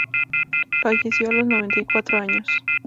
Falleció a los noventa y cuatro años.